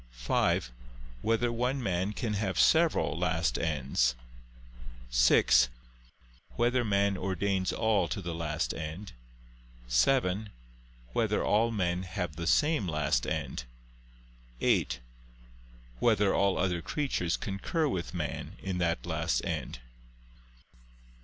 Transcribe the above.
(5) Whether one man can have several last ends? (6) Whether man ordains all to the last end? (7) Whether all men have the same last end? (8) Whether all other creatures concur with man in that last end?